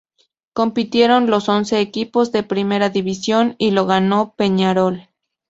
Compitieron los once equipos de Primera División y lo ganó Peñarol.